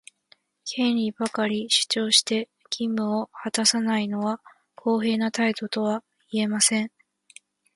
権利ばかり主張して、義務を果たさないのは公平な態度とは言えません。